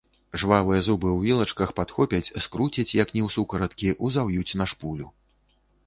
Жвавыя зубы ў вілачках падхопяць, скруцяць як ні ў сукараткі, узаўюць на шпулю.